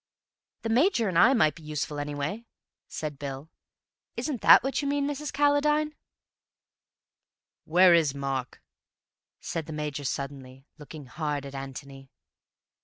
"The Major and I might be useful anyway," said Bill. "Isn't that what you mean, Mrs. Calladine?" "Where is Mark?" said the Major suddenly, looking hard at Antony.